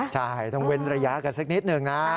ใช่ต้องเว้นระยะกันสักนิดหนึ่งนะ